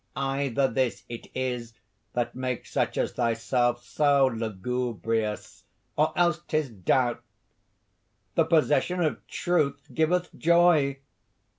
Either this it is that makes such as thyself so lugubrious, or else 'tis doubt. The possession of truth giveth joy.